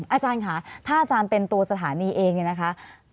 อาจารย์ค่ะถ้าอาจารย์เป็นตัวสถานีเองเนี่ยนะคะ